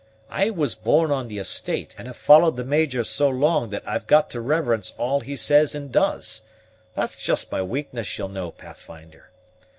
I was born on the estate, and have followed the Major so long that I've got to reverence all he says and does: that's just my weakness, ye'll know, Pathfinder.